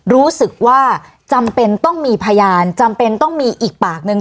รู้สึกว่าจำเป็นต้องมีพยานจำเป็นต้องมีอีกปากหนึ่ง